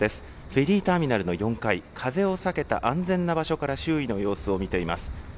フェリーターミナルの４階、風を避けた安全な場所から周囲の様子を見ています。